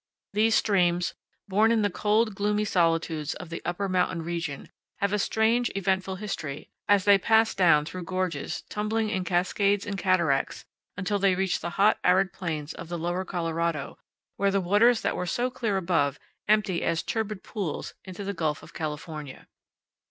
These streams, born in the cold, gloomy solitudes of the upper mountain region, have a strange, eventful history as they pass down through gorges, tumbling in cascades and cataracts, until they reach the hot, arid plains of the Lower Colorado, where the waters that were so clear above empty as turbid floods into the Gulf of California.